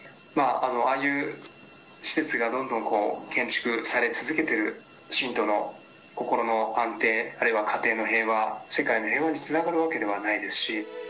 ああいう施設がどんどん建築され続けている、信徒の心の安定、あるいは家庭の平和、世界の平和につながるわけではないですし。